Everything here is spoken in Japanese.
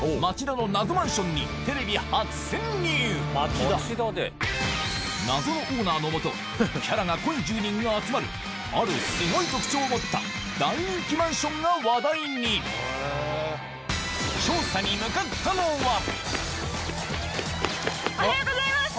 彼らは謎のオーナーのもとキャラが濃い住人が集まるあるすごい特徴を持った大人気マンションが話題におはようございます！